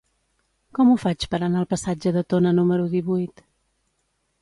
Com ho faig per anar al passatge de Tona número divuit?